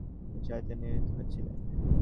তিনি সাহিত্যকর্মে নিয়োজিত হয়েছিলেন।